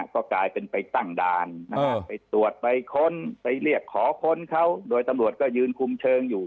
ก็กลายเป็นไปตั้งด่านนะฮะไปตรวจไปค้นไปเรียกขอค้นเขาโดยตำรวจก็ยืนคุมเชิงอยู่